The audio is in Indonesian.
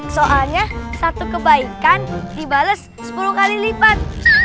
soalnya satu kebaikan dibales sepuluh kali lipat